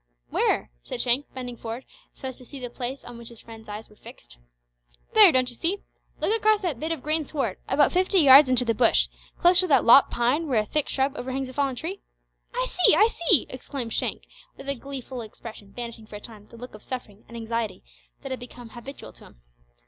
"Where?" said Shank, bending forward so as to see the place on which his friend's eyes were fixed. "There, don't you see? Look across that bit of green sward, about fifty yards into the bush, close to that lopped pine where a thick shrub overhangs a fallen tree " "I see I see!" exclaimed Shank, a gleeful expression banishing for a time the look of suffering and anxiety that had become habitual to him.